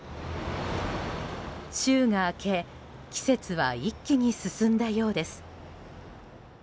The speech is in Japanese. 週が明け季節は一気に進んだようです。